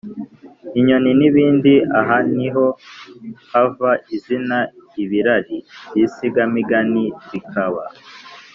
inyoni, n’ibindi. Aha ni ho hava izina “ibirari by’insigamigani”. Bikaba